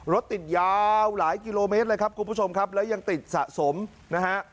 รถติดยาวหลายกิโลเมตรเลยครับคุณผู้ชมครับแล้วยังติดสะสมนะฮะ